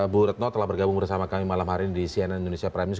bu retno telah bergabung bersama kami malam hari ini di cnn indonesia prime news